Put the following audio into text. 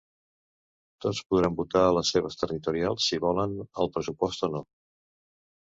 Tots podran votar a les seves territorials si volen el pressupost o no.